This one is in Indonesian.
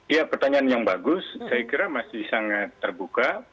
ya pertanyaan yang bagus saya kira masih sangat terbuka